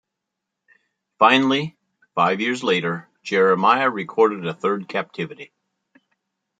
Finally, five years later, Jeremiah recorded a third captivity.